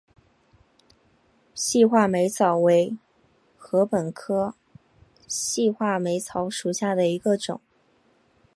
细画眉草为禾本科细画眉草属下的一个种。